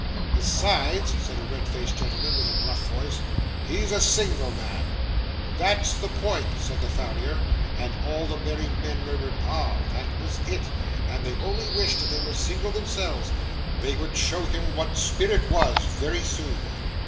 'Besides,' said a red faced gentleman with a gruff voice, 'he's a single man.' 'That's the point!' said the farrier; and all the married men murmured, ah! that was it, and they only wished they were single themselves; they would show him what spirit was, very soon.